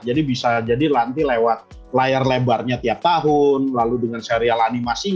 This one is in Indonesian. jadi bisa jadi lanti lewat layar lebarnya tiap tahun lalu dengan serial animasi